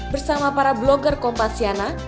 bersama para blogger kompasiana